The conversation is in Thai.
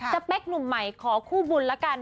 สเปคหนุ่มใหม่ขอคู่บุญแล้วกัน